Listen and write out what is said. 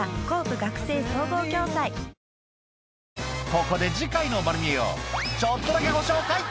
ここで次回の『まる見え！』をちょっとだけご紹介